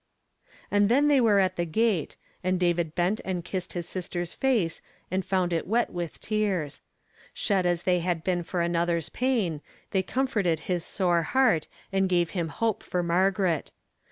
And then they were at the gate, and David hent and kissed his sister's face and found it wet mth tears. Shed as they had been for another's pain, they comforted his sore heart, and gave liim hope for Margaret.